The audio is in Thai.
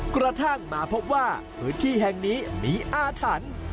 กระทั่งมาพบว่าพื้นที่แห่งนี้มีอาถรรพ์